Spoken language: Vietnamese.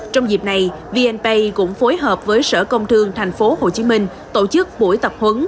trong dịp này vnpay cũng phối hợp với sở công thương tp hcm tổ chức buổi tập huấn